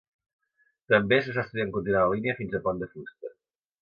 També, s'està estudiant continuar la línia fins a Pont de Fusta.